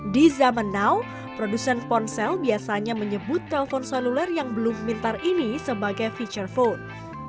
di zaman now produsen ponsel biasanya menyebut telpon seluler yang belum pintar ini sebagai feature phone